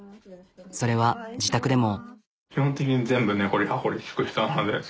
それは自宅でも。